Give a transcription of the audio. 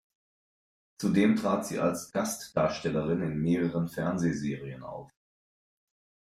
Zudem trat sie als Gastdarstellerin in mehreren Fernsehserien auf.